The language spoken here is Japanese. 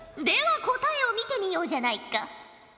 では答えを見てみようじゃないか。